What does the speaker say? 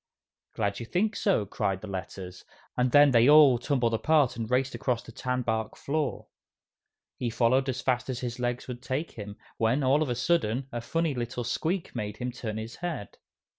"Glad you think so!" cried the Letters, and then they all tumbled apart and raced across the tanbark floor. He followed as fast as his legs would take him, when, all of a sudden, a funny little squeak made him turn his head.